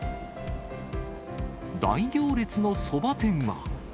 大行列のそば店は。